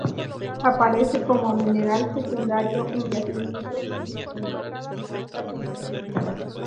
Aparece como mineral secundario en yacimientos hidrotermales de alta temperatura.